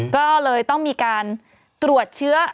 ก็เลยต้องมีการตรวจเชื้อ